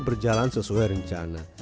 berjalan sesuai rencana